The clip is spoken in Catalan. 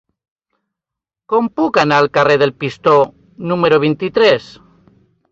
Com puc anar al carrer del Pistó número vint-i-tres?